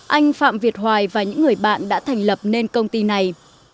anh phạm việt hoài và những người bạn đã thành lập nên công ty này